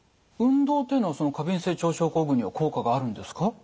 運動というのは過敏性腸症候群には効果があるんですか？